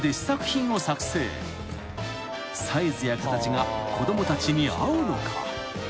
［サイズや形が子供たちに合うのか？］